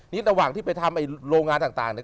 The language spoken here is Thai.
นี่ระหว่างที่ไปทำโรงงานต่างเนี่ย